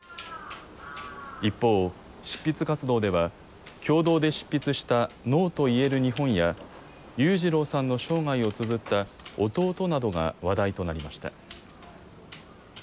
一方、執筆活動では共同で執筆したＮＯと言える日本や、裕次郎さんの生涯をつづった弟などが話題となりました。